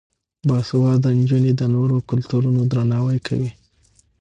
باسواده نجونې د نورو کلتورونو درناوی کوي.